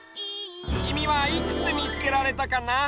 きみはいくつみつけられたかな？